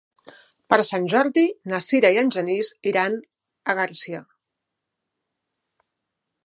Per Sant Jordi na Sira i en Genís iran a Garcia.